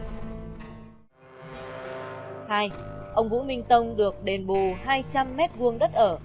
ông vũ minh tông được đền bù hai trăm linh m hai đất ở